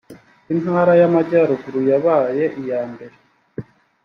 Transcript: intara yamajyaruguru yabaye iymbere.